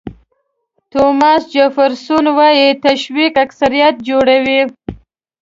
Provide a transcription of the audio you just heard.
توماس جیفرسون وایي تشویق اکثریت جوړوي.